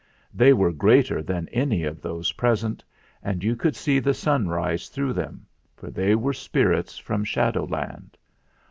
They were greater than any of those present, and you could see the sunrise through them, for they were spirits from Shadow land.